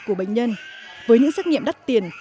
của bệnh nhân với những xét nghiệm đắt tiền